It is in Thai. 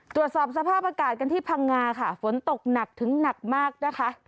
ตรวจสอบสภาพอากาศกันที่พังงาค่ะฝนตกหนักถึงหนักมากนะคะ